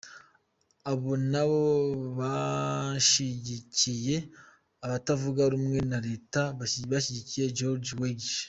Abo nabo bashigikiye abatavuga rumwe na reta bashyigikiye George Weah.